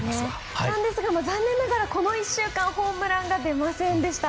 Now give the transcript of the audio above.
残念ながら、この１週間ホームランが出ませんでした。